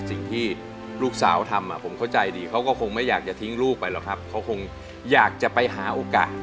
สิ่งที่ลูกสาวทำผมเข้าใจดีเขาก็คงไม่อยากจะทิ้งลูกไปหรอกครับเขาคงอยากจะไปหาโอกาส